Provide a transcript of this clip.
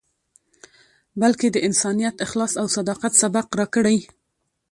بلکې د انسانیت، اخلاص او صداقت، سبق راکړی.